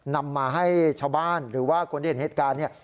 นำมาให้ชาวบ้านหรือว่าคนที่เห็นเหตุการณ์เนี่ย